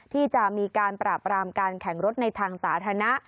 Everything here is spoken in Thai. ที่จะมีการปราบรามการแข่งรถในทางสาธารณะ